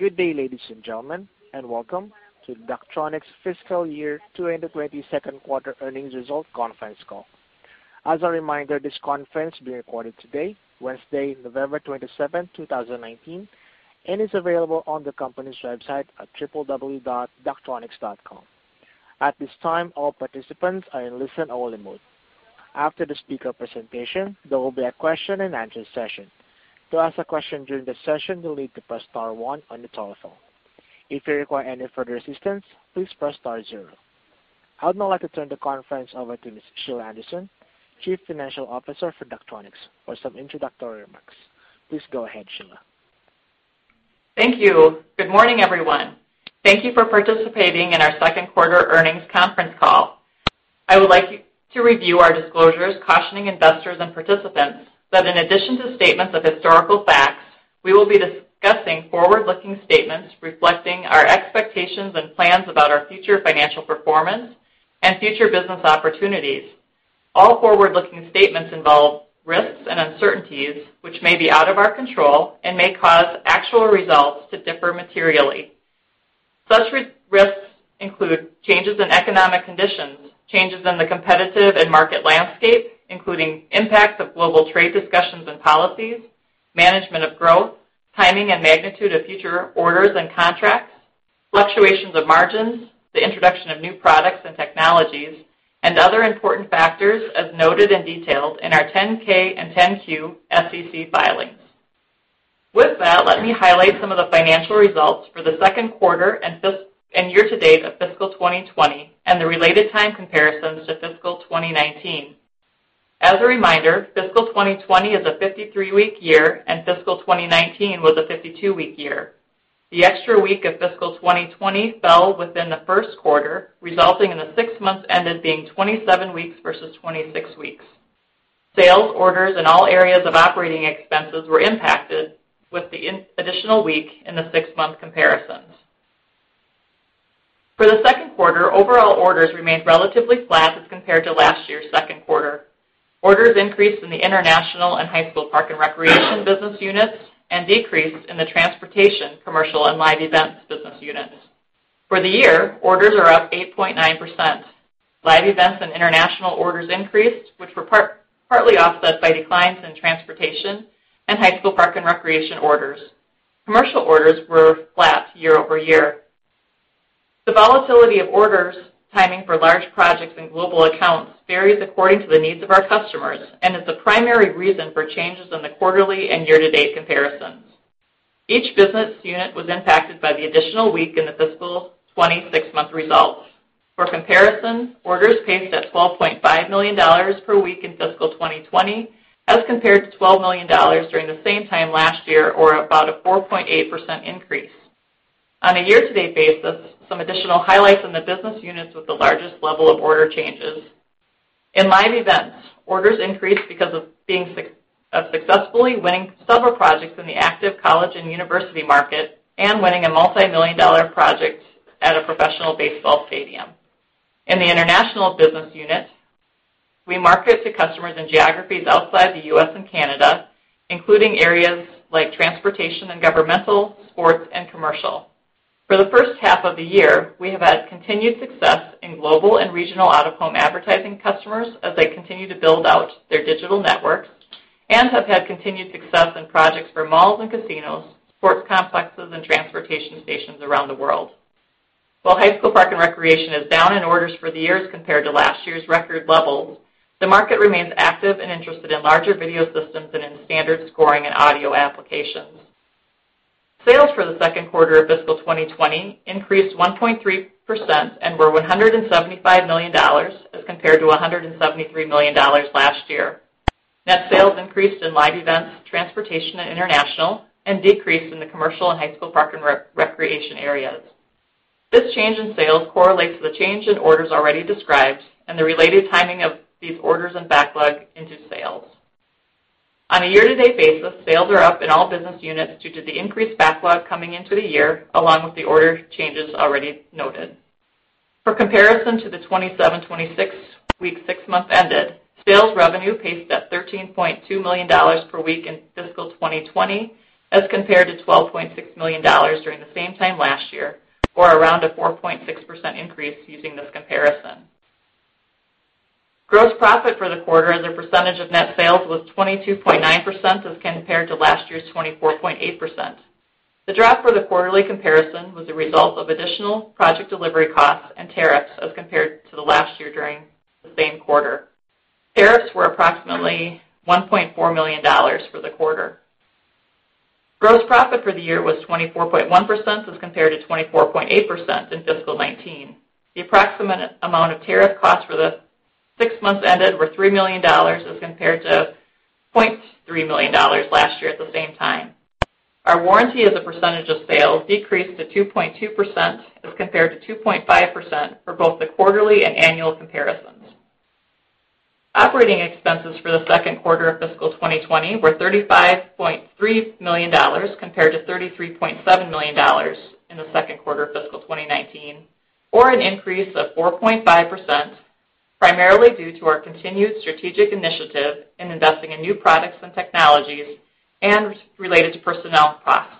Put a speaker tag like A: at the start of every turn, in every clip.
A: Good day, ladies and gentlemen, and welcome to Daktronics' fiscal year 2020 second quarter earnings result conference call. As a reminder, this conference is being recorded today, Wednesday, November 27th, 2019, and is available on the company's website at www.daktronics.com. At this time, all participants are in listen-only mode. After the speaker presentation, there will be a question and answer session. To ask a question during the session, you'll need to press star one on your telephone. If you require any further assistance, please press star zero. I would now like to turn the conference over to Ms. Sheila Anderson, Chief Financial Officer for Daktronics, for some introductory remarks. Please go ahead, Sheila.
B: Thank you. Good morning, everyone. Thank you for participating in our second quarter earnings conference call. I would like to review our disclosures cautioning investors and participants that in addition to statements of historical facts, we will be discussing forward-looking statements reflecting our expectations and plans about our future financial performance and future business opportunities. All forward-looking statements involve risks and uncertainties which may be out of our control and may cause actual results to differ materially. Such risks include changes in economic conditions, changes in the competitive and market landscape, including impacts of global trade discussions and policies, management of growth, timing and magnitude of future orders and contracts, fluctuations of margins, the introduction of new products and technologies, and other important factors as noted and detailed in our 10-K and 10-Q SEC filings. With that, let me highlight some of the financial results for the second quarter and year-to-date of fiscal 2020 and the related time comparisons to fiscal 2019. As a reminder, fiscal 2020 is a 53-week year, and fiscal 2019 was a 52-week year. The extra week of fiscal 2020 fell within the first quarter, resulting in the six months ended being 27 weeks versus 26 weeks. Sales orders in all areas of operating expenses were impacted with the additional week in the six-month comparisons. For the second quarter, overall orders remained relatively flat as compared to last year's second quarter. Orders increased in the international and high school park and recreation business units, and decreased in the transportation, commercial, and live events business units. For the year, orders are up 8.9%. Live events and international orders increased, which were partly offset by declines in transportation and high school park and recreation orders. Commercial orders were flat year-over-year. The volatility of orders timing for large projects and global accounts varies according to the needs of our customers and is the primary reason for changes in the quarterly and year-to-date comparisons. Each business unit was impacted by the additional week in the fiscal 26-month results. For comparison, orders paced at $12.5 million per week in fiscal 2020, as compared to $12 million during the same time last year or about a 4.8% increase. On a year-to-date basis, some additional highlights in the business units with the largest level of order changes. In live events, orders increased because of successfully winning several projects in the active college and university market and winning a multimillion-dollar project at a professional baseball stadium. In the international business unit, we market to customers in geographies outside the U.S. and Canada, including areas like transportation and governmental, sports, and commercial. For the first half of the year, we have had continued success in global and regional out-of-home advertising customers as they continue to build out their digital networks and have had continued success in projects for malls and casinos, sports complexes, and transportation stations around the world. While high school park and recreation is down in orders for the years compared to last year's record levels, the market remains active and interested in larger video systems than in standard scoring and audio applications. Sales for the second quarter of fiscal 2020 increased 1.3% and were $175 million as compared to $173 million last year. Net sales increased in live events, transportation, and international, and decreased in the commercial and high school park and recreation areas. This change in sales correlates to the change in orders already described and the related timing of these orders and backlog into sales. On a year-to-date basis, sales are up in all business units due to the increased backlog coming into the year, along with the order changes already noted. For comparison to the 27, 26-week, six months ended, sales revenue paced at $13.2 million per week in fiscal 2020 as compared to $12.6 million during the same time last year or around a 4.6% increase using this comparison. Gross profit for the quarter as a percentage of net sales was 22.9% as compared to last year's 24.8%. The drop for the quarterly comparison was a result of additional project delivery costs and tariffs as compared to the last year during the same quarter. Tariffs were approximately $1.4 million for the quarter. Gross profit for the year was 24.1% as compared to 24.8% in fiscal 2019. The approximate amount of tariff costs for the six months ended were $3 million as compared to $0.3 million last year at the same time. Our warranty as a percentage of sales decreased to 2.2% as compared to 2.5% for both the quarterly and annual comparisons. Operating expenses for the second quarter of fiscal 2020 were $35.3 million compared to $33.7 million in the second quarter of fiscal 2019, or an increase of 4.5%. Primarily due to our continued strategic initiative in investing in new products and technologies, and related to personnel costs.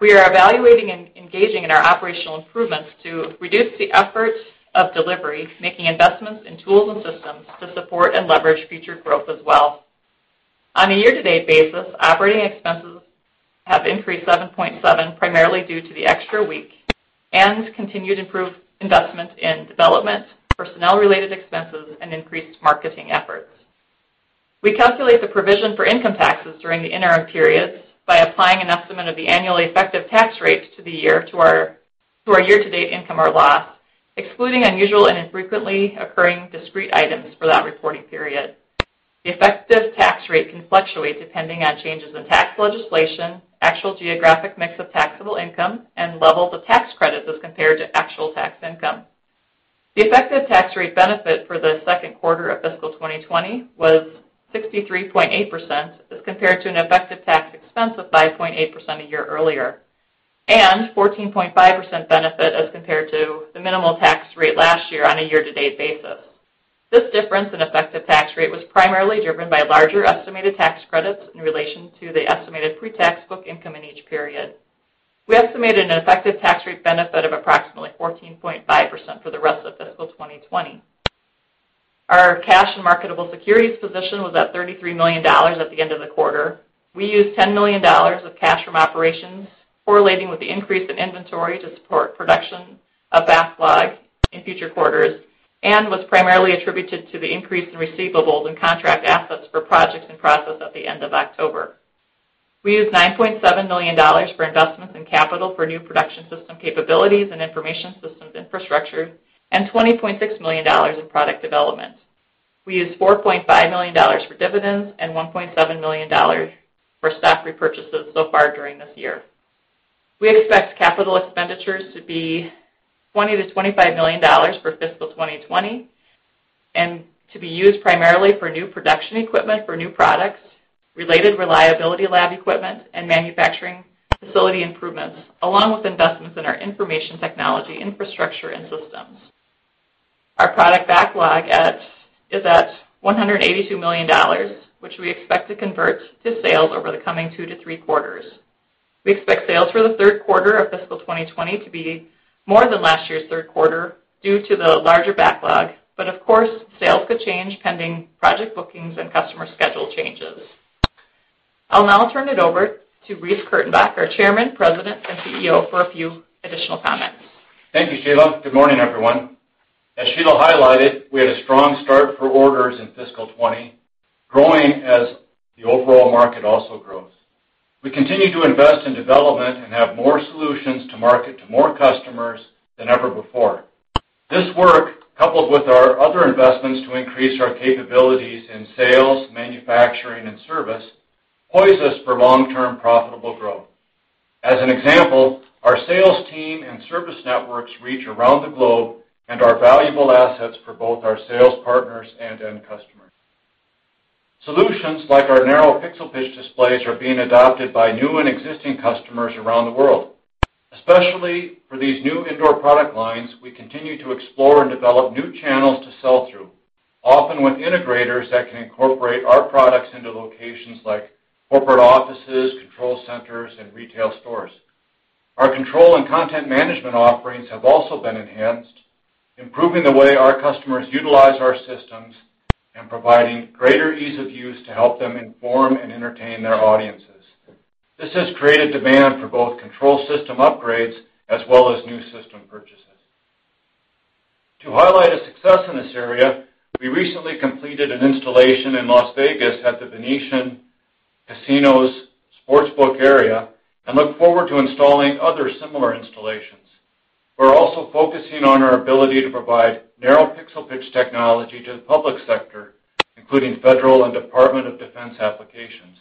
B: We are evaluating and engaging in our operational improvements to reduce the efforts of delivery, making investments in tools and systems to support and leverage future growth as well. On a year-to-date basis, operating expenses have increased 7.7%, primarily due to the extra week and continued improved investment in development, personnel-related expenses, and increased marketing efforts. We calculate the provision for income taxes during the interim periods by applying an estimate of the annual effective tax rates to the year-to-date income or loss, excluding unusual and infrequently occurring discrete items for that reporting period. The effective tax rate can fluctuate depending on changes in tax legislation, actual geographic mix of taxable income, and levels of tax credits as compared to actual tax income. The effective tax rate benefit for the second quarter of fiscal 2020 was 63.8% as compared to an effective tax expense of 5.8% a year earlier, and 14.5% benefit as compared to the minimal tax rate last year on a year-to-date basis. This difference in effective tax rate was primarily driven by larger estimated tax credits in relation to the estimated pre-tax book income in each period. We estimated an effective tax rate benefit of approximately 14.5% for the rest of fiscal 2020. Our cash and marketable securities position was at $33 million at the end of the quarter. We used $10 million of cash from operations correlating with the increase in inventory to support production of backlogs in future quarters and was primarily attributed to the increase in receivables and contract assets for projects in process at the end of October. We used $9.7 million for investments in capital for new production system capabilities and information systems infrastructure, and $20.6 million in product development. We used $4.5 million for dividends and $1.7 million for stock repurchases so far during this year. We expect capital expenditures to be $20 million-$25 million for fiscal 2020, and to be used primarily for new production equipment for new products, related reliability lab equipment, and manufacturing facility improvements, along with investments in our information technology infrastructure and systems. Our product backlog is at $182 million, which we expect to convert to sales over the coming 2-3 quarters. We expect sales for the third quarter of fiscal 2020 to be more than last year's third quarter due to the larger backlog, but of course, sales could change pending project bookings and customer schedule changes. I'll now turn it over to Reece Kurtenbach, our Chairman, President, and CEO, for a few additional comments.
C: Thank you, Sheila. Good morning, everyone. As Sheila highlighted, we had a strong start for orders in fiscal 2020, growing as the overall market also grows. We continue to invest in development and have more solutions to market to more customers than ever before. This work, coupled with our other investments to increase our capabilities in sales, manufacturing, and service, poise us for long-term profitable growth. As an example, our sales team and service networks reach around the globe and are valuable assets for both our sales partners and end customers. Solutions like our narrow pixel pitch displays are being adopted by new and existing customers around the world. Especially for these new indoor product lines, we continue to explore and develop new channels to sell through, often with integrators that can incorporate our products into locations like corporate offices, control centers, and retail stores. Our control and content management offerings have also been enhanced, improving the way our customers utilize our systems and providing greater ease of use to help them inform and entertain their audiences. This has created demand for both control system upgrades as well as new system purchases. To highlight a success in this area, we recently completed an installation in Las Vegas at The Venetian Casino's Sportsbook area and look forward to installing other similar installations. We're also focusing on our ability to provide narrow pixel pitch technology to the public sector, including federal and Department of Defense applications.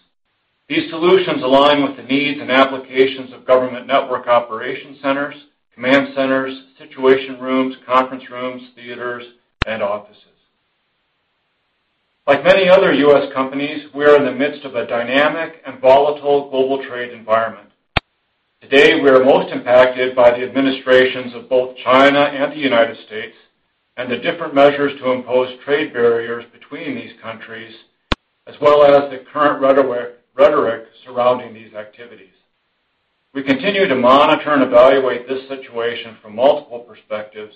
C: These solutions align with the needs and applications of government network operation centers, command centers, situation rooms, conference rooms, theaters, and offices. Like many other U.S. companies, we are in the midst of a dynamic and volatile global trade environment. Today, we are most impacted by the administrations of both China and the United States, and the different measures to impose trade barriers between these countries, as well as the current rhetoric surrounding these activities. We continue to monitor and evaluate this situation from multiple perspectives,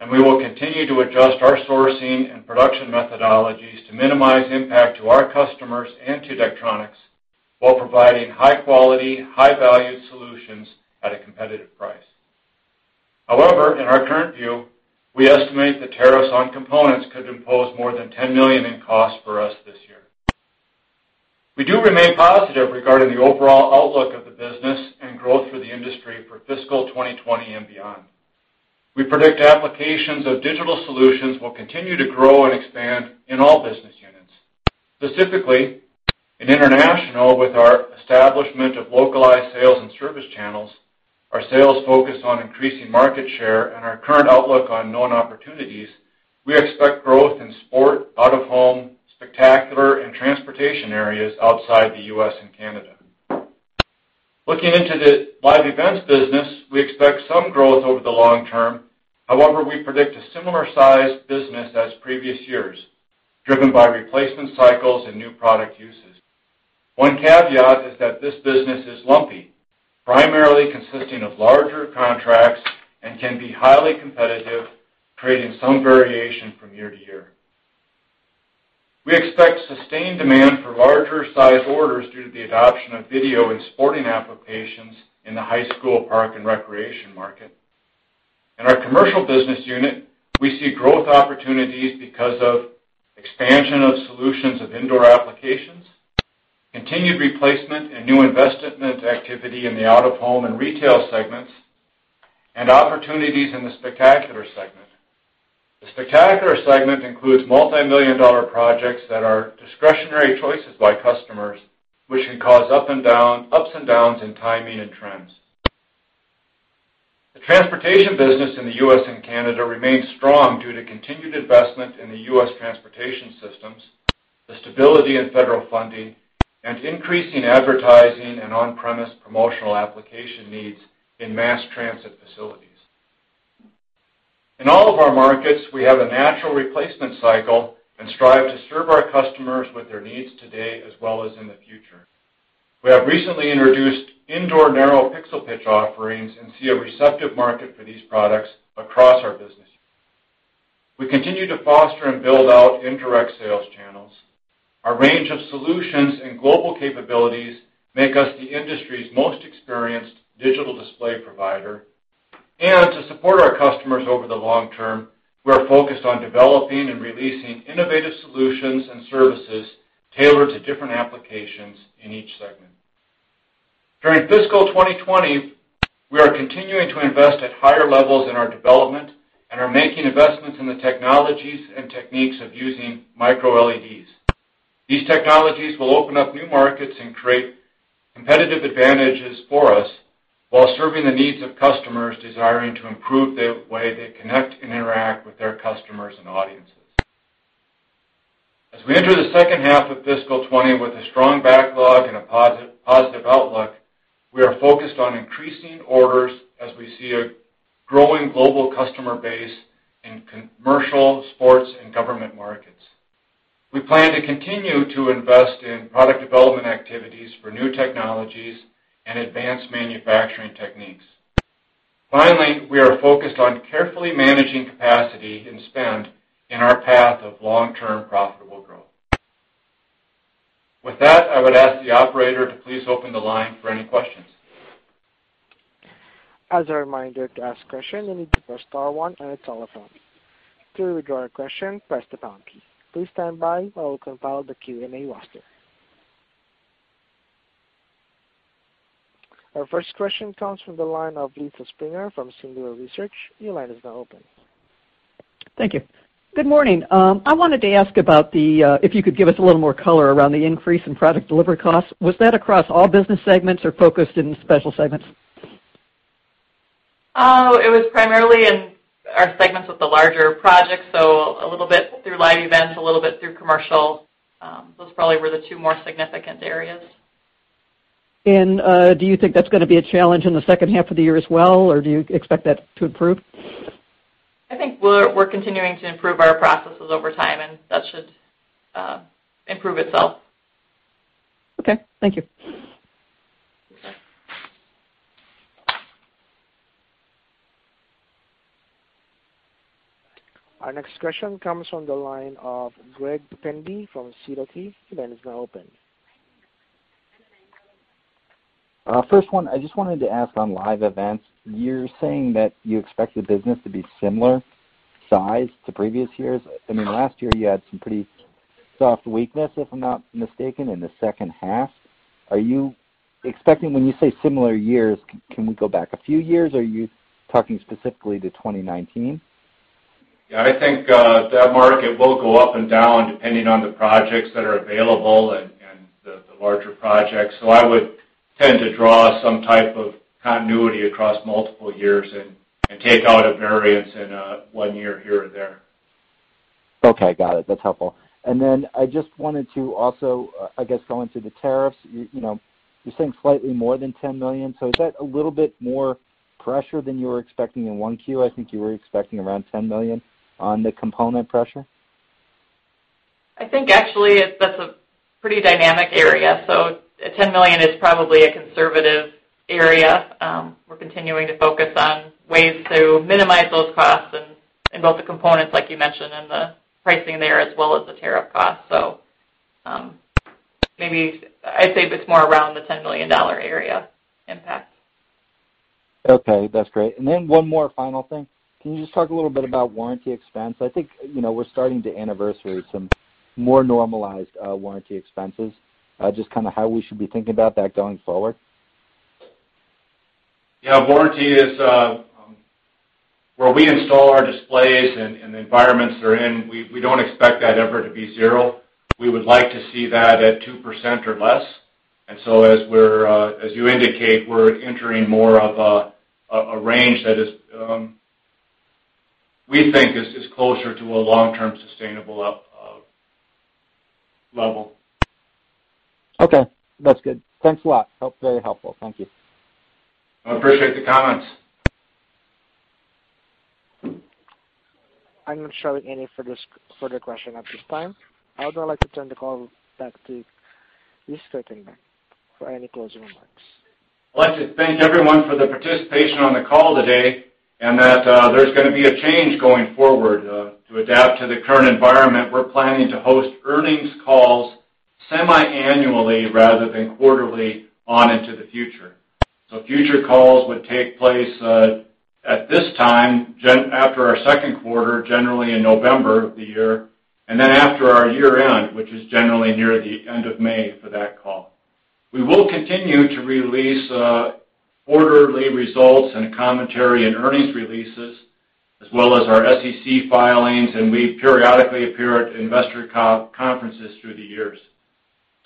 C: and we will continue to adjust our sourcing and production methodologies to minimize impact to our customers and to Daktronics while providing high quality, high-value solutions at a competitive price. However, in our current view, we estimate the tariffs on components could impose more than $10 million in costs for us this year. We do remain positive regarding the overall outlook of the business and growth for the industry for fiscal 2020 and beyond. We predict applications of digital solutions will continue to grow and expand in all business units. Specifically, in international, with our establishment of localized sales and service channels, our sales focus on increasing market share, and our current outlook on known opportunities, we expect growth in sport, out of home, spectacular, and transportation areas outside the U.S. and Canada. Looking into the live events business, we expect some growth over the long term. However, we predict a similar size business as previous years, driven by replacement cycles and new product uses. One caveat is that this business is lumpy, primarily consisting of larger contracts, and can be highly competitive, creating some variation from year to year. We expect sustained demand for larger size orders due to the adoption of video and sporting applications in the high school park and recreation market. In our commercial business unit, we see growth opportunities because of expansion of solutions of indoor applications, continued replacement and new investment activity in the out of home and retail segments, and opportunities in the spectacular segment. The spectacular segment includes multimillion-dollar projects that are discretionary choices by customers, which can cause ups and downs in timing and trends. The transportation business in the U.S. and Canada remains strong due to continued investment in the U.S. transportation systems, the stability in federal funding, and increasing advertising and on-premise promotional application needs in mass transit facilities. In all of our markets, we have a natural replacement cycle and strive to serve our customers with their needs today as well as in the future. We have recently introduced indoor narrow pixel pitch offerings and see a receptive market for these products across our business. We continue to foster and build out indirect sales channels. Our range of solutions and global capabilities make us the industry's most experienced digital display provider. To support our customers over the long term, we are focused on developing and releasing innovative solutions and services tailored to different applications in each segment. During fiscal 2020, we are continuing to invest at higher levels in our development and are making investments in the technologies and techniques of using microLEDs. These technologies will open up new markets and create competitive advantages for us while serving the needs of customers desiring to improve the way they connect and interact with their customers and audiences. As we enter the second half of fiscal 2020 with a strong backlog and a positive outlook, we are focused on increasing orders as we see a growing global customer base in commercial, sports, and government markets. We plan to continue to invest in product development activities for new technologies and advanced manufacturing techniques. Finally, we are focused on carefully managing capacity and spend in our path of long-term profitable growth. With that, I would ask the operator to please open the line for any questions.
A: As a reminder, to ask a question, you need to press star one on your telephone. To withdraw your question, press the pound key. Please stand by while we compile the Q&A roster. Our first question comes from the line of Lisa Springer from Singular Research. Your line is now open.
D: Thank you. Good morning. I wanted to ask if you could give us a little more color around the increase in product delivery costs. Was that across all business segments or focused in special segments?
B: It was primarily in our segments with the larger projects, so a little bit through live events, a little bit through commercial. Those probably were the two more significant areas.
D: Do you think that's going to be a challenge in the second half of the year as well, or do you expect that to improve?
B: I think we're continuing to improve our processes over time, and that should improve itself.
D: Okay. Thank you.
B: Okay.
A: Our next question comes from the line of Greg Pendy from Sidoti. The line is now open.
E: First one, I just wanted to ask on live events. You're saying that you expect the business to be similar size to previous years. Last year you had some pretty soft weakness, if I'm not mistaken, in the second half. When you say similar years, can we go back a few years, or are you talking specifically to 2019?
C: Yeah, I think that market will go up and down depending on the projects that are available and the larger projects. I would tend to draw some type of continuity across multiple years and take out a variance in one year here or there.
E: Okay, got it. That's helpful. I just wanted to also, I guess, go into the tariffs. You're saying slightly more than $10 million, is that a little bit more pressure than you were expecting in 1Q? I think you were expecting around $10 million on the component pressure.
B: I think actually that's a pretty dynamic area, so 10 million is probably a conservative area. We're continuing to focus on ways to minimize those costs in both the components, like you mentioned, and the pricing there, as well as the tariff cost. Maybe I'd say it's more around the $10 million area impact.
E: Okay, that's great. One more final thing. Can you just talk a little bit about warranty expense? I think we're starting to anniversary some more normalized warranty expenses. Just how we should be thinking about that going forward.
C: Yeah, warranty is where we install our displays and the environments they're in. We don't expect that ever to be zero. We would like to see that at 2% or less. As you indicate, we're entering more of a range that we think is closer to a long-term sustainable level.
E: Okay, that's good. Thanks a lot. Very helpful. Thank you.
C: I appreciate the comments.
A: I'm not showing any further questions at this time. I would like to turn the call back to you, Mr. Kurtenbach, for any closing remarks.
C: I'd like to thank everyone for their participation on the call today, and that there's going to be a change going forward. To adapt to the current environment, we're planning to host earnings calls semi-annually rather than quarterly on into the future. Future calls would take place at this time after our second quarter, generally in November of the year, and then after our year-end, which is generally near the end of May for that call. We will continue to release quarterly results and commentary and earnings releases, as well as our SEC filings, we periodically appear at investor conferences through the years.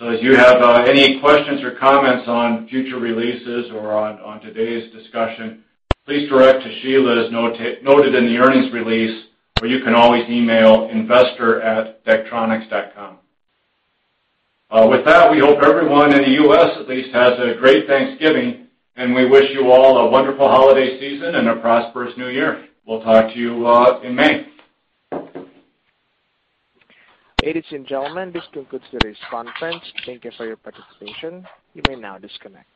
C: If you have any questions or comments on future releases or on today's discussion, please direct to Sheila, as noted in the earnings release, or you can always email investor@daktronics.com. With that, we hope everyone in the U.S. at least has a great Thanksgiving, and we wish you all a wonderful holiday season and a prosperous New Year. We'll talk to you in May.
A: Ladies and gentlemen, this concludes today's conference. Thank you for your participation. You may now disconnect.